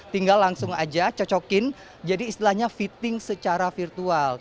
tinggal langsung aja cocokin jadi istilahnya fitting secara virtual